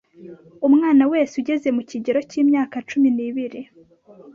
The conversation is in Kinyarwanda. umwana wese ugeze mu kigero cy’imyaka cumi nibiri